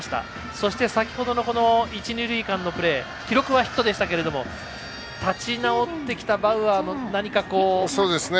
そして、先ほど一、二塁間のプレー記録はヒットでしたけど立ち直ってきたバウアーの何か。